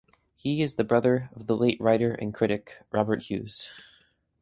He is the brother of the late writer and critic Robert Hughes.